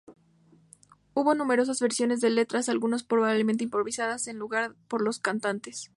Hubo numerosas versiones de letras, algunas probablemente improvisadas en el lugar por los cantantes.